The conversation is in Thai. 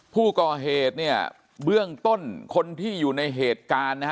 ผู้ก่อเหตุเนี่ยเบื้องต้นคนที่อยู่ในเหตุการณ์นะฮะ